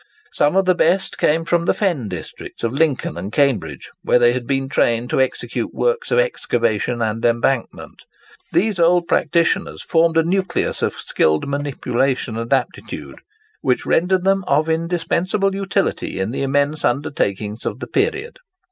Some of the best came from the fen districts of Lincoln and Cambridge, where they had been trained to execute works of excavation and embankment. These old practitioners formed a nucleus of skilled manipulation and aptitude, which rendered them of indispensable utility in the immense undertakings of the period.